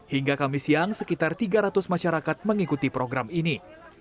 hingga kamis siang sekitar tiga ratus masyarakat mengikuti program ini